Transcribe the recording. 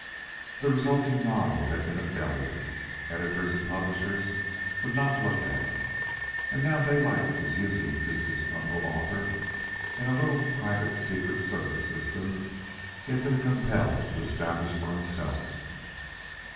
The resulting novel had been a failure. Editors and publishers would not look at it, and now Daylight was using the disgruntled author in a little private secret service system he had been compelled to establish for himself.